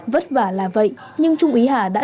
vất vả là vậy nhưng trung ý hà đã